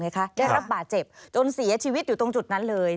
ได้รับบาดเจ็บจนเสียชีวิตอยู่ตรงจุดนั้นเลย